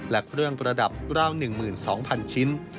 และเครื่องประดับราว๑๒๐๐๐ชิ้น